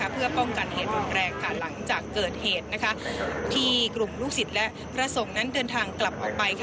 เพื่อป้องกันเหตุรุนแรงหลังจากเกิดเหตุที่กลุ่มลูกศิษย์และพระสงฆ์นั้นเดินทางกลับออกไป